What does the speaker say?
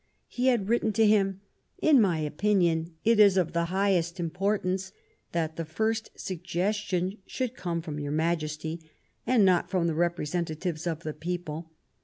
He had written to him :" In my opinion, it is of the highest import ance that the first suggestion should come from your Majesty and not from the representatives of the people.